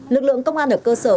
lực lượng công an ở cơ sở